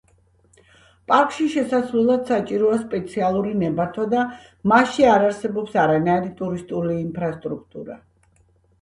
პარკში შესასვლელად საჭიროა სპეციალური ნებართვა და მასში არ არსებობს არანაირი ტურისტული ინფრასტრუქტურა.